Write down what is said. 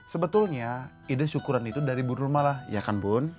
sebetulnya ide syukuran itu dari bu nur mala ya kan bun